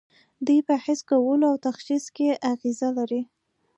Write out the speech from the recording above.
دوی په حس کولو او تشخیص کې اغیزه لري.